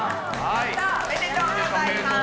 おめでとうございます。